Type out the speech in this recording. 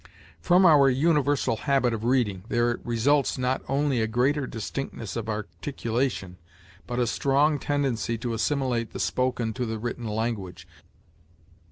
From our universal habit of reading, there results not only a greater distinctness of articulation, but a strong tendency to assimilate the spoken to the written language.